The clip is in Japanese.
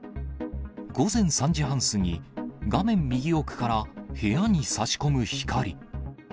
午前３時半過ぎ、画面右奥から部屋にさし込む光。